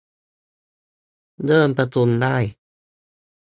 เริ่มประชุมได้